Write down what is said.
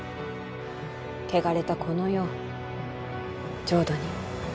汚れたこの世を浄土に。